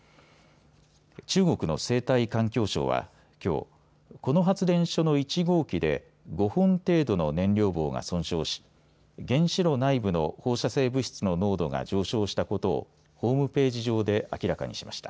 中国の生態環境省はきょう、この発電所の１号機で５本程度の燃料棒が損傷し原子炉内部の放射性物質の濃度が上昇したことをホームページ上で明らかにしました。